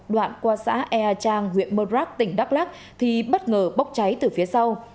đoạn qua xã ea trang huyện murdrap tỉnh đắk lắc thì bất ngờ bốc cháy từ phía sau